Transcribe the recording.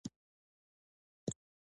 که زه اوس خوځېدلی وای نو سنایپر ویشتلم